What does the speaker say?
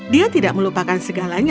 dia tidak melupakan segalanya